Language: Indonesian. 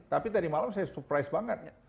tapi tadi malam saya surprise banget